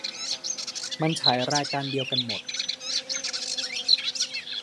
มันฉายรายการเดียวกันหมด